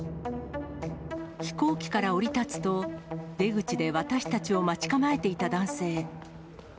飛行機から降り立つと、出口で私たちを待ち構えていた男性。